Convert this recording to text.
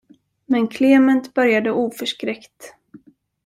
Men Klement började oförskräckt.